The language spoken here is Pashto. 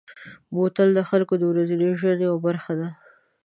بوتل د خلکو د ورځني ژوند یوه برخه ده.